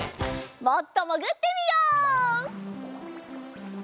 もっともぐってみよう！